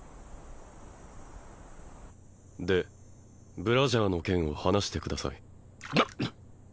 でブラジャーの件を話してください